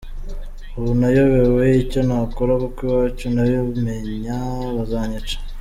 Ubu nayobewe icyo nakora kuko iwacu nibabimenya bazanyica.